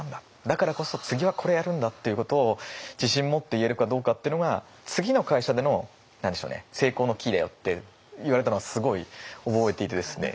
だからこそ次はこれやるんだっていうことを自信持って言えるかどうかっていうのが次の会社での成功のキーだよって言われたのはすごい覚えていてですね。